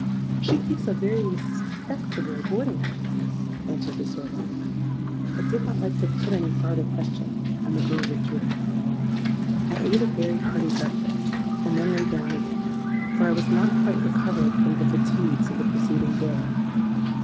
—'She keeps a very respectable boarding house,' answered the servant.—I did not like to put any farther questions; and the girl withdrew. "I ate a very hearty breakfast, and then lay down again; for I was not quite recovered from the fatigues of the preceding day.